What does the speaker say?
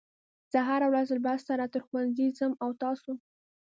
زه هره ورځ له بس سره تر ښوونځي ځم او تاسو